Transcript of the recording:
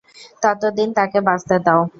ততদিন তাকে বাঁচতে দাও।